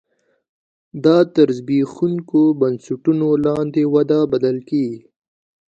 دا تر زبېښونکو بنسټونو لاندې وده بلل کېږي.